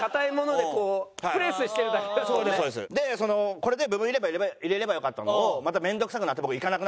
これで部分入れ歯入れればよかったのをまた面倒くさくなって僕行かなくなったんです歯医者に。